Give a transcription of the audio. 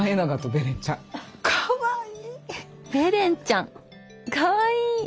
ベレンちゃんかわいい！